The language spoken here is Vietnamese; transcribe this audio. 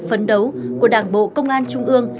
phấn đấu của đảng bộ công an trung ương